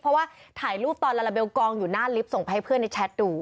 เพราะว่าถ่ายรูปตอนลาลาเบลกองอยู่หน้าลิฟต์ส่งไปให้เพื่อนในแชทดู